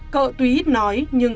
cỡ tuy ít nói nhưng